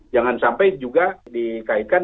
jangan sampai juga dikaitkan